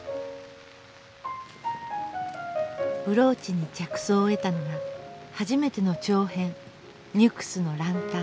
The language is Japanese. ブローチに着想を得たのが初めての長編「ニュクスの角灯」。